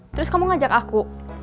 terus kamu ngajak aku